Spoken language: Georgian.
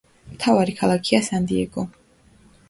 მთავარი ქალაქია სან-დიეგო.